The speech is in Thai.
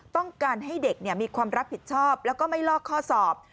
ต้องการให้เด็กมีความรับผิดชอบแล้วก็ไม่ลอกข้อสอบ